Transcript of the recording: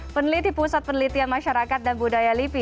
peneliti pusat penelitian masyarakat dan budaya lipi